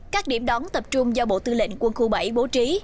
các điểm đón tập trung do bộ tư lệnh quân khu bảy bố trí